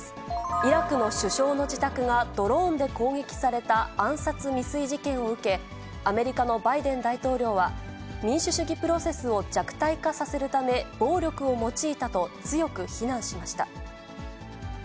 イラクの首相の自宅がドローンで攻撃された暗殺未遂事件を受け、アメリカのバイデン大統領は、民主主義プロセスを弱体化させるため、暴力を用いたと強く非難しました。